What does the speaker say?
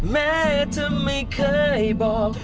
แม้จะไม่เคยบอก